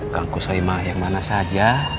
kang kusoy mah yang mana saja